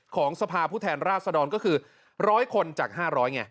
ของสภาผู้แทนราชดรก็คือ๑๐๐คนจาก๕๐๐ไง